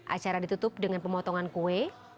acara ditutup dengan pemotongan kue